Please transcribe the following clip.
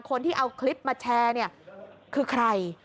คนที่เอาคลิปมาแชร์เนี่ยคือใคร